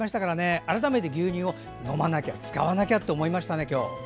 改めて牛乳を飲まなきゃ使わなきゃって思いましたね。